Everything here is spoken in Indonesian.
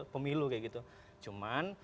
pemilu kayak gitu cuman